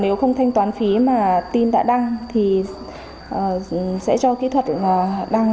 nếu không thanh toán phí mà team đã đăng thì sẽ cho kỹ thuật đăng